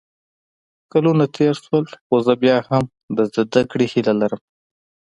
کلونه تېر شول خو زه بیا هم د زده کړې هیله لرم